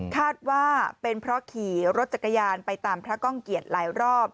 คาดว่าเป็นเพราะขี่รถจักรยานไปตามพระก้องเกียจหลายรอบ